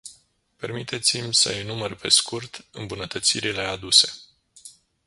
Permiteți-mi să enumăr pe scurt îmbunătățirile aduse.